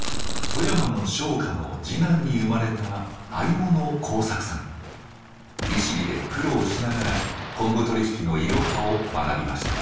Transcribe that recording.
富山の商家の次男に生まれた利尻で苦労しながら昆布取り引きのいろはを学びました。